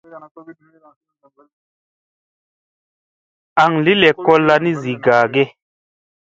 Aŋ li lekolla ni zi gaage ?